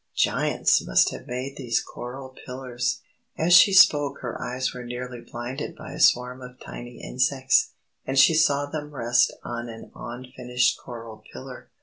"Giants must have made these coral pillars!" As she spoke her eyes were nearly blinded by a swarm of tiny insects, and she saw them rest on an unfinished coral pillar.